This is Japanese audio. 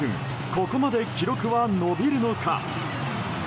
ここまで記録は伸びるのか？